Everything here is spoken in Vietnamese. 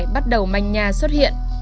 bắt đầu manh nhà xuất hiện